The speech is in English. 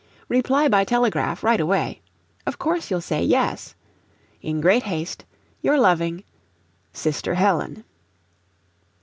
"Reply by telegraph right away. "Of course you'll say 'Yes.' "In great haste, your loving "SISTER HELEN.